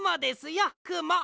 よくも。